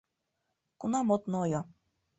— Кунам от нойо?